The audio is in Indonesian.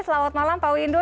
selamat malam pak windu